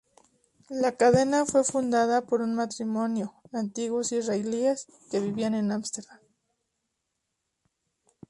La cadena fue fundada por un matrimonio, antiguos israelíes que vivían en Ámsterdam.